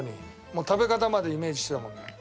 もう食べ方までイメージしてたもんね。